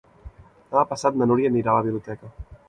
Demà passat na Núria anirà a la biblioteca.